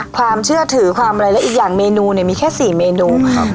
ความเชื่อถือความอะไรและอีกอย่างเมนูเนี่ยมีแค่สี่เมนูครับ